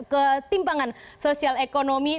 empat ketimpangan sosial ekonomi